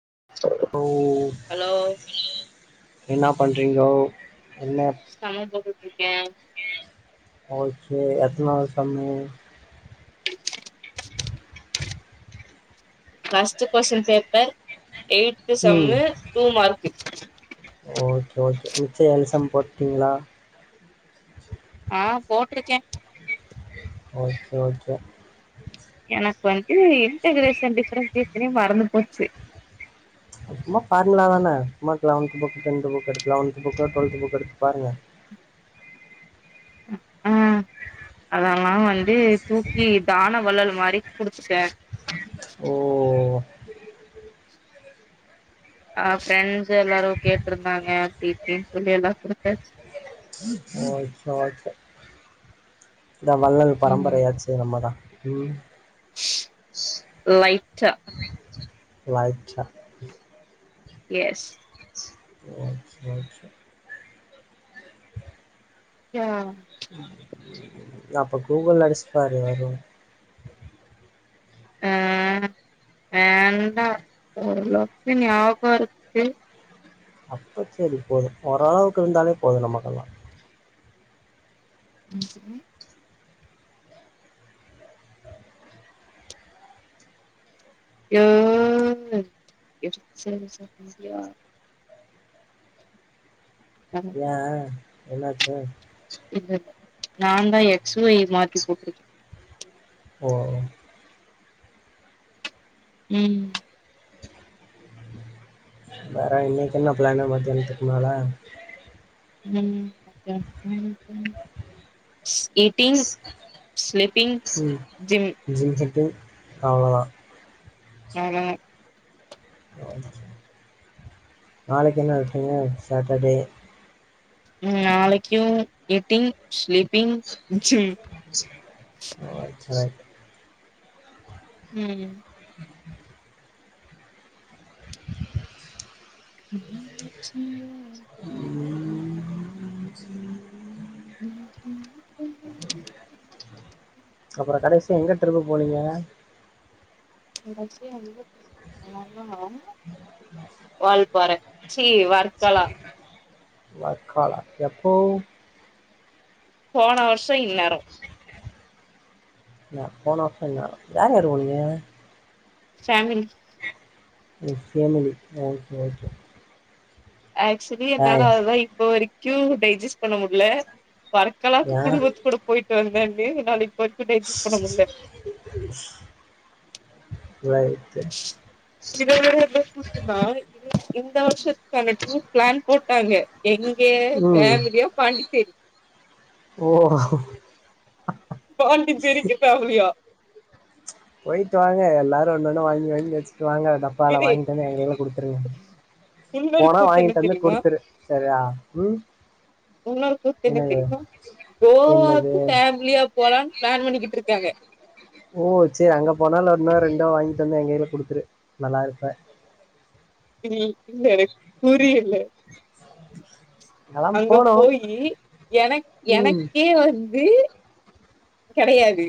[unintelligible] hello என்னா பண்றீங்கோ என்ன [unintelligible] போட்டுட்டு இருக்கே ஆ சே எத்தன் நாளைக் [unintelligible] ஃபஸ்ட்டு கொஸின் பேப்பர் எயி்த்து ம் சம்மு டூ மார்க்கு ஓகே மிச்ச எல்சம் போட்டீங்களா ஆ போட்ருக்கே ஓகே ஓகே எனக்கு வந்து இன்டக்ரேசன் டிஃப்ரன்சேனே மறந்துப் போச்சு சும்மா ஃபார்முளா தான சும்மா அதுக்கு லெவன்த்து புக்கு டென்த் புக் எடுத்து லெவன்த்து புக்கோ டுவெல்த் புக் எடுத்துப்பாருங்க ஆ அதெல்லா வந்து தூக்கி தான வள்ளல் மாரி குடுத்துட்டே ஓ ஆ ஃப்ரெண்ட்ஸ் எல்லாரு கேட்ருந்தாங்க அப்டி இப்டின்னு சொல்லி எல்லா குடுத்தாச் அ [unintelligible] இந்த வள்ளல் ம் பரம்பரையாச்சே நம்ம தா ம் லைட்டா லைட்டா எஸ் வாச் வாச்சு யா அப்ப கூகுள்ல அடிச்சு பாரு வரும் ஆ வேண்டா ஓரளவுக்கு ஞாப இருக்கு அப்ப செரி போதும் ஓரளவுக்கு இருந்தாலே போதும் நமக்கெல்லா [inaudible] யோ ஃப் [unintelligible] செஞ்சிட்டியா ஏன் என்னாச்சு இல்லல்ல நாந்தா எக்ஸ் வொய் மாத்தி போட்டிருக்கே ஓ ம் வேற இன்னைக்கு என்ன ப்ளானு மதியானத்துக்கு மேல ம் மதியானத்துக்கு மேல [unintelligible] ஈட்டிங் ஸ்லீப்பிங் ஜிம் ஆ அவ்ளோதா நாளைக்கு என்ன விட்டீங்க சாட்டர்டே ம் நாளைக்கும் ஈட்டிங் ஸ்லீப்பிங் ஜிம் சரி ம் ம் அப்பறோ கடைசியா எங்க ட்ரிப்பு போனீங்க கடசியா எங்க ட்ரிப்பு போனோன்னா வால்பாற சி வர்க்கலா வர்க்காலா எப்போ போன வருஷோ இன்நேரோ நா போன வர்ஷோன்னா யார் யார் போனீங்க ஃபேமிலி ம் ஃபேமிலி ஓகே ஓகே ஆக்சுவலி ஏய் என்னால அதல்லா இப்போ வரீக் கூ டைஜஸ்ட் பண்ண முடில வரக்கலாக்கு ஏன் குடும்பத்தோட போயிட்டு வந்தேன் வேகு நாளைக் போ வரக்கூடிய டைஜஸ்ட் பண்ண முடில ரைட்டு இதுல வேற என்ன கூத்துனா இது இந்த வருஷத்துக்கான டூர் பிளான் போட்டாங்க எங்க ம் ஃபேமிலியா பாண்டிச்சேரி ஓ பாண்டிச்சேரிக்கு ஃபேமிலியா போயிட்டு வாங்க எல்லாரும் ஒன்னொன்னு வாங்கி வாங்கி வச்சு வாங்க டப்பால இது வாங்கிட்டு வந்து எங்கைல குடுத்துருங்க இன்னொரு போனா கூத்து என்ன வாங்கிட்டு வந்து தெரியுமா குடுத்துரு செரியா ம் இன்னொரு கூத்து என்ன என்னது தெரியுமா என்னது ப்ளான் பண்ணிக்கிட்ருக்காங்க எல்லா வாங்கி தந்து எங்கையில குடுத்துரு நல்லா இருப்ப இல்ல [unintelligible] புரியல நாலாம் அங்க போனோ போயி எனக் ம் எனக்கே வந்து கெடையாது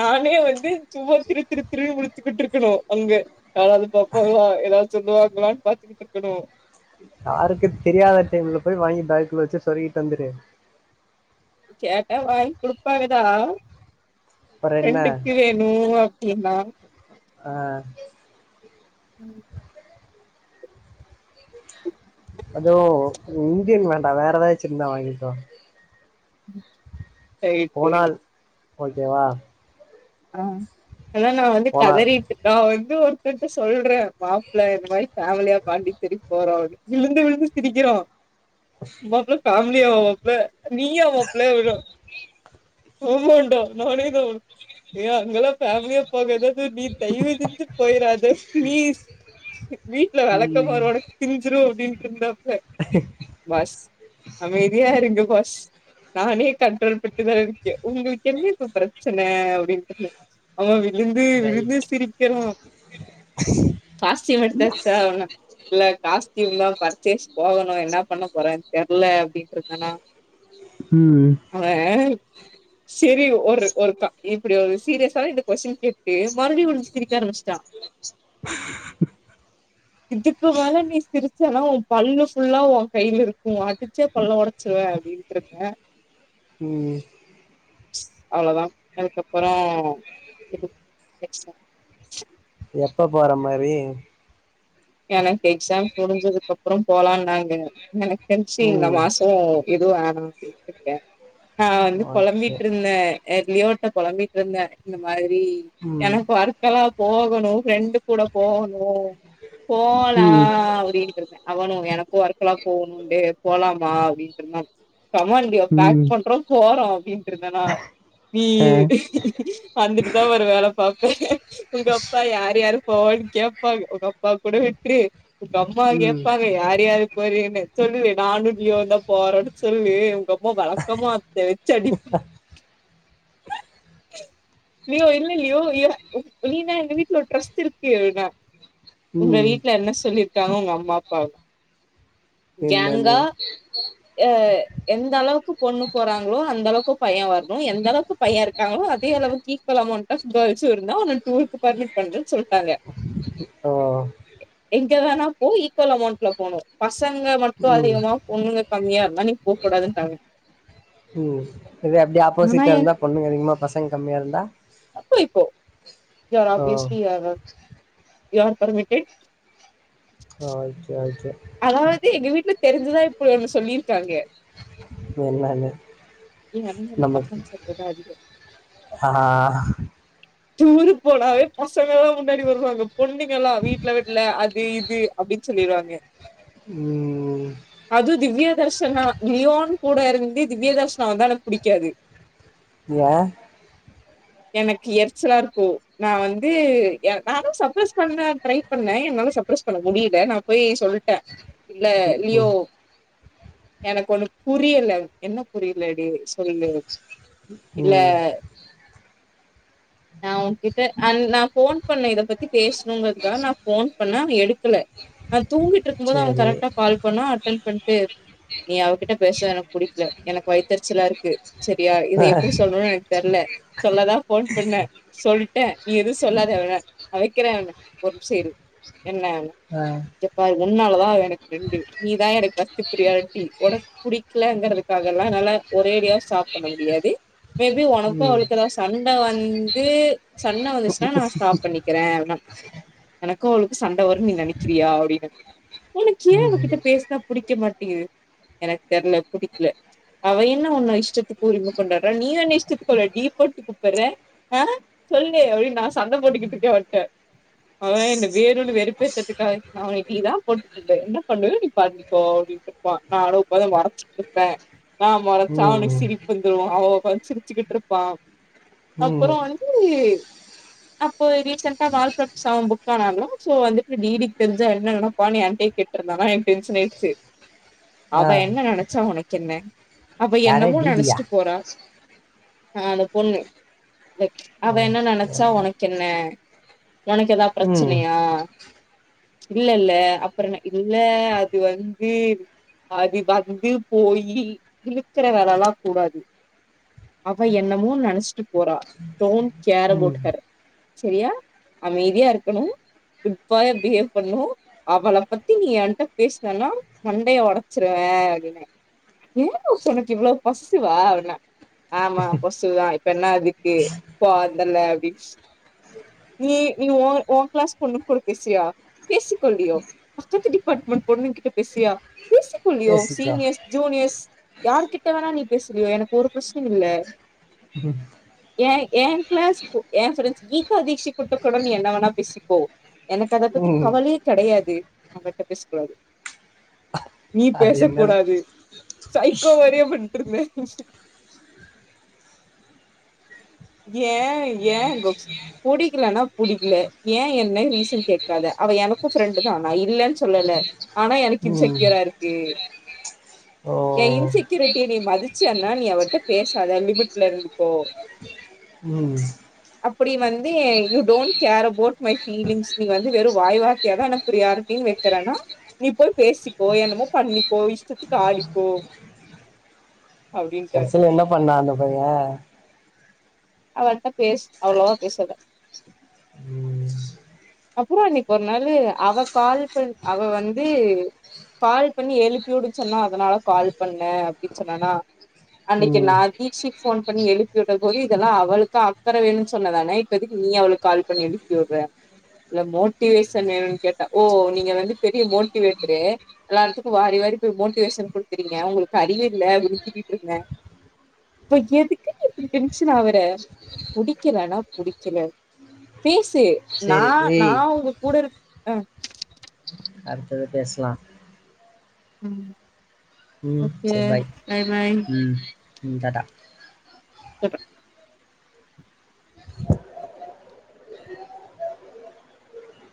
நானே வந்து சும்மா திருத் திருத் திரு முழுச்சுக்கிட்ருக்கனு அங்க யாராது பாப்பாங்ளா எதாது சொல்லுவாங்களான் பாத்துக்கிட்ருக்கணு யாருக்கு தெரியாத டைம்ல போய் வாங்கி பேக்குல வச்சு சொரிகிட்டு வந்துரு கேட்டா வாங் குடுப்பாங்கதா அப்புற என்ன ஃப்ரெண்டுக்கு வேனு அப் என்னா ஆ ம் அதுவு இந்தியன் வேண்டா வேற ஏதாச்சிருந்தா வாங்கிட்டு வா ம் ரைட்டு ஓகேவா ஆ அதா நா வந்து போனால் கதறிட்டுக்க வந் இத ஒருத்தர்ட்ட சொல்ற மாப்ள்ள என்ன மாரி ஃபேமலியா பாண்டிசேரி போறோ விழுந்து விழுந்து சிரிக்கிறோ மாப்ள கார் முலியோப்ல நீயா மாப்ள விட்றோ ஆமாண்டா நானே தா ஏ அங்கெல்லா ஃபேமிலியா போகாத து நீ தயவு செஞ்சு போய்ராத ப்ளீஸ் வீட்ல ம் வெளக்கமாறோட பிஞ்சிரு அப்டின் பிருந்தா எ பாஸ் அமைதியா இருங்க வாஸ் நானே கண்ட்ரோல் பண்ட்டுதா இரு க்கு உங்களுக்கு என்ன இப்ப ப்ரெச்சன அப்டின்டுனு அவ வி விழுந்து விழுந்து ரைட் சிரிக்கிறோ காஸ்ட்யூம் எடுத்தாச்சா என்ன இல்ல காஸ்ட்யூம்தா பர்ச்சேஸ் போகணு என்ன பண்ண போறேன் தெர்ல அப்டின்றிந்தனா ம் [unintelligible] செரி ஒரு ஒருக்கா இப்டி ஒரு சீரியஸான இந்த கொஸ்டின் கேட்டு மறுபடியு கொஞ்சு சிரிக்க ஆரம்பிச்ட்டா இதுக்கு மேல நீ சிரிச்சனா உ பல்லு ஃபுல்லா உ கையில இருக்கு அடிச்சே பல்ல ஒடச்சிருவே அப்டின்றுக்கே உம் அவ்வளவுதான் அதுக்கப்புறம் எப்ப போற மாதிரி எனக்கு எக்ஸாம் முடிஞ்சதுக்கு அப்புறம் போலாம் நாாங்க எனக்கு தெச்சிங் இந்த ம் மாசம் எதுவும் ஆ பிச்சக்கேன் நான் வந்து ஓகே பொழம்பிட்டு இருந்தேன் லியோட்ட பொழம்பிட்டு இருந்தேன் இந்த மாரி ம் எனக்கு வர்கலா போகணும் ஃப்ரெண்டு கூட போகணும் ம் போலாம் அப்படின்ட்டு இருக்கேன் அவனும் எனக்கும் வர்கலா போகணும்ண்டே போலாமா அப்படின்றுந்தான் கமாண்டியோ பேக் ம் பண்றோம் போறோம் அப்படின்னு இருந்தேனா பி ஆ வந்துட்டு தான் ஒரு வேல பாப்பேன் உங்க அப்பா யார் யாரு போவான் கேபாங்கா பப்பட விட்டி உங்க அம்மா ம் கேப்பாங்க யார் முடியாது போற என்ன சொல்லு நானும் லீவோவும் தான் போறேன்னு சொல்லு உங்க அம்மா வெழக்கமா தெ வச்சு அடிப் லியோ இல்ல லியோ நீதா எங்க வீட்டுல ஒரு ட்ரஸ்ட் இருக்கு உங்க ம் வீட்டுல என்ன சொல்லியிருக்காங்க உங்க அம்மா அப்பா என்னன்னு அஹ் எந்த அளவுக்கு பொண்ணு போறாங்களோ அந்த அளவுக்கு பையன் வரணும் எந்த அளவுக்கு பையன் இருக் நாங்களு அதே அளவுக்கு ஈக்வல் அமௌண்ட் ஆஃப் கேர்ள்ஸு இருந்தோ ஒரு டூருக்கு பர்மிட் பண்றன் சொல்ட்டாங்க ஓ எங்க வேணா போ ஈக்வல் அமௌண்ட்ல போணு பசங்க மட்டு ம் அதிகமா பொண்ணுங்க கம்மியா இருந்தா நீ போக் கூடாதுன்ட்டாங்க இதே அப்டியே ஆனா ஆப்போசிட்டா எ இருந்தா பொண்ணுங்க அதிகமா பசங் க கம்மியா இருந்தா போ you are oh obviously ah you are permitted okay okay அதாவ்து எங்க வீட்ல தெரிஞ்சுதா இப்டி ஒன்னு சொல்லியிருக்காங்க என்னானு ஏன்னா எனக்கு பசங்க நமக்கு சத்ததா அதிகோ ஆ டூரு போனாவே பசங்கல்லா முன்னாடி வருவாங்க பொண்ணுங்கல்லா வீட்ல விட்ல அது இது அப்டின் சொல்லிருவாங்க உம் அதுவு திவ்யா தர்ஷனா லியோன் கூட இருந்து திவ்ய தர்ஷனா வந்தா எனக்கு புடிக்காது யா எனக் எரிச் சலா இருக்கு நா வந்து ய நானு சப்ரைஸ் பண்ண டரை பண்ண என்னால சப்ரைஸ் பண்ண முடியில நா போய் சொல்ட்ட இல்ல ம் லியோ ம் எனக்கு ஒண்ணு புரியல என்ன புரிலடி சொல்லு இல்ல உம் நா ஓங்கிட்ட அன் நா ஃபோன் பண்ண இதப் பத்தி பேசணுங்றதுக்காக நா ஃபோன் பண்ண அவ எடுக்கல தூங்கிட்டு இருக்கும் போது அவ சேரி கரெக்டா கால் பண்ணா அட்டன் பண்ட்டு நீ அவக்கிட்ட பேசற்து எனக்கு புடிக்ல எனக்கு வயத்தெறிச்சலா இருக்கு செரியா இத எப்டி சொல்னுனு எனக்கு தெர்ல சொல்லதா ஃபோன் பண்ண சொல்ட்ட நீ எதுவு சொல்லாத வெண நா வெக்கிற அப்ன ஒரு நிமிஷொ இரு என்ன ஆ இங்கெ பாரு உன்னால்தான் அவ எனக்கு ஃப்ரெண்டு நீதா எனக்கு ஃபஸ்ட்டு ப்ரியாரிட்டி ஒனக் புடிக்கலங்கறதுக்காகல்லா ஒரே அடியாவு ஸ்டாப் பண்ண முடியாது மேபி ஒனக்கு ம் அவளுக்கு ஏதாவ்து சண்ட வந் து சண்ட வந்துச்சுன்னா நா ஸ்டாப் பண்ணிக்கிற எனக்கு அவளுக்கு சண்ட வருன் நீ நெனக்கிறியா அப்டின்ன ஒனக்கு ஏ ம் அவக்கிட்ட பேசுனா புடிக்க மாட்டிங்கிது எனக்கு தெர்ல புடிக்ல அவ என்ன உன்ன இஷ்டத்துக்கு உரிம கொண்டாட்றா நீ என்ன இஷ்டத்துக்கு அவள டீ போட்டு கூப்பர்ற ஆஹ் சொல்லு அப்டின் நா சண்ட போட்டுக்கிட்டு இருக்க அவன்ட்ட அவ என்ன வேணுனு வெறுப்பேத்தற்துக்காவே நா அவள டி தா போட்டுக்கூப்டுவ என்ன பண்ணுவ நீ பண்ணிக்கோ அப்டின்ட்ருப்பா நானு எப்போது மொறச்சிட்ருப்ப நா மொறைச்சா அவனுக்கு ம் சிரிப்பு வந்துரு அவ ஒக்காந்து சிரிச்சுக்கிட்ருப்பா ம் அப்பறோ வந்து அப்போ ரீசென்டா [unintelligible] சோ வந்துட்டு டிடிக் தெரிஞ்சா என்ன நெனப்பானு ஏன்ட்டயே கேட்ருந்தானா எனக் டென்ஷன் ஆய்ட்ச்சு ஆ அவ என்ன நெனைச்சா ஒனக்கென்ன அவ யாரு என்னமோ டி டி யா நெனைச்சிட்டு போறா ஆஹ் அந்த பொண்ணு அவ ஆ என்ன நெனைச்சா ஒனக்கென்ன ஒனக்கு எதா ம் ப்ரச்சனையா இல்ல இல்ல அப்பறன இல்ல அது வந்து அது வந்து போயி இழுக்குற வேலல்லா கூடாது அவ என்னமோ நெனச்சிட்டு போறா டோன்ட் கேர் ம் அபௌட் ஹெர் செரியா அமைதியா இருக்கணு குட்பாயா பிஹேவ் பண்ணு அவள பத்தி நீ ஏண்ட்ட பேசுனனா மண்டைய ஒடச்சிருவே அப்டின ஏ [unintelligible] ஒனக் இவ்ளோ பொசஸிவ்வா அப்னா ஆமா பொசஸிவ்தா இப்ப என்ன அதுக்கு [unintelligible] அப்டி நீ நீ ஒ ஓங் க்ளாஸ் பொண்ணுங் கூட பேசுவியா பேசிக்கொண்டியோ பக்கத்து டிபார்ட்மெண்ட் பொண்ணுங் கிட்ட பேசுவியா பேசிக்கொள்ளியோ பேசிக்கோ சீனியர்ஸ் ஜூனியர்ஸ் யாரு கிட்ட வேணா நீ பேசிக்க எனக்கு ஒரு ப்ரச்ன இல்ல ஹம் ஏ ஏ கிளாஸ் பு ஏ ஸ்டூடண்ஸ் கீதா தீக்ஷி குட்டு கூட நீ என்ன வேணா பேசிக்கோ எனக்கு அத பத்தி ம் கவலையே கெடையாத் து அவட்ட பேசக்கூடாது நீ அது என்னது பேசக்கூடாது சைக்கோ மாரியே பண் ட்ருக்குமே ஏ ஏ கோச் புடிக்கலனா புடிக்கல ஏ என்ன ரீசன் கேட்காத அவ எனக்கூ ஃப்ரெண்டு தா நா இல்லன்னு சொல்லல ஆனா எனக்கு ம் இன்செக்யூராருக்கு ஏ ஓ இன்செக்யூரிட்டிய நீ மதிச்சேனா நீ அவிட்ட பேசாத லிமிட்ல இருந்துக்கோ ம் அப்படி வந்து எ you don't care about my feelings நீ வந்து வெறூ வாய் வார்த்தையாதா எனக்கு ப்ரியாரிட்டின் வெக்கிறேனா நீ போய் பேசிக்கோ என்னமோ பண்ணிக்கோ இஷ்டத்துக்கு ஆடிக்கோ அப்டின்ட்டு கடசில என்ன பண்ணா அந்த பைய அவட்ட பேசு அவ்ளவா பேசாத ம் அப்றோ அன்னைக்கு ஒரு நாளு அவ கால் பண் அவ வந்து கால் பண்ணி எழுப்பிவிடு சொன்னா அதனால கால் பண்ண அப்டின்னு சொன்னானா அன்னிக்கு ம் நா தீக்ஷி ஃபோன் பண்ணி எழுப்பிவிட [unintelligible] க்குலா அவளுக்கா அக்கற வேணூனு சொன்னதானே இப்ப நீ அவள்கு கால் பண்ணி எழுப்பிவுட்ற இல்ல மோட்டிவேஷன் வேணூன் கேட்டா ஓ நீங்க வந்து பெரிய மோட்டவேட்டரு எல்லாத்துக்கூ வாரி வாரி மோட்டிவேஷன் குடுக்றீங்க உங்களுக்கு அறிவு இல்ல அப் டீன் திட்டிட்ருந்தே ப எதுக்கு நீ இப்டி டென் ஷன் ஆவுர புடிக்கலனா புடிக்கல பேஸ் டு நா சேரி நா ஏய் உங்க கூடருக் அ அடுத்தது பேசலா ம் ம் ஓகே சேரி பாய் பைபை ம் ம் டாடா டாடா